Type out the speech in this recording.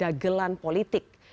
sebagai dagelan politik